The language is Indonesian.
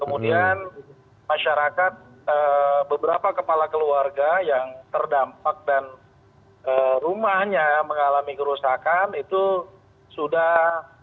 kemudian masyarakat beberapa kepala keluarga yang terdampak dan rumahnya mengalami kerusakan itu sudah